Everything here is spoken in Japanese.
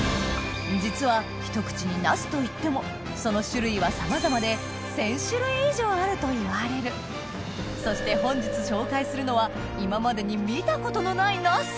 実はひと口に「ナス」といってもその種類はさまざまで１０００種類以上あるといわれるそして本日紹介するのは今日は。